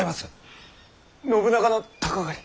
信長の鷹狩り。